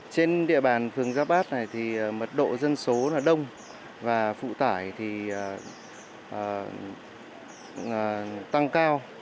trên địa bàn phường giáp bát này thì mật độ dân số đông và phụ tải thì tăng cao